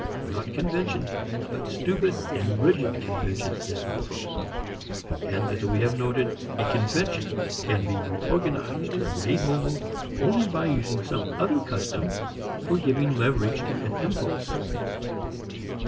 Not convention but stupid and rigid convention is the foe. And, as we have noted, a convention can be reorganized and made mobile only by using some other custom for giving leverage to an impulse.